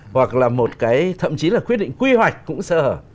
hoặc là một cái thậm chí là quyết định quy hoạch cũng sơ hở